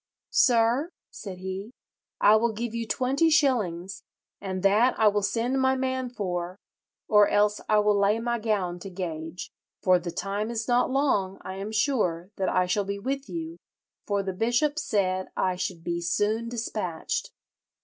'Sir,' said he, 'I will give you twenty shillings, and that I will send my man for, or else I will lay my gown to gage. For the time is not long, I am sure, that I shall be with you, for the bishop said I should be soon despatched.'